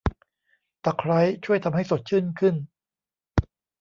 ตะไคร้ช่วยทำให้สดชื่นขึ้น